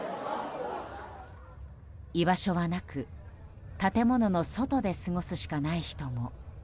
居場所はなく建物の外で過ごすしかない人も。